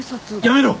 やめろ！